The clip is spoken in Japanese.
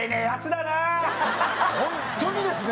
ホントにですね！